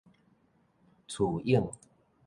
跙湧